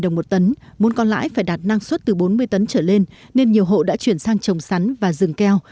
trong thời gian này công ty đã chuyển sang trồng sắn và dừng keo